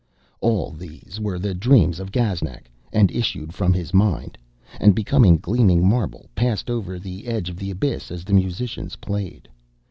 All these were the dreams of Gaznak, and issued from his mind, and, becoming gleaming marble, passed over the edge of the abyss as the musicians played.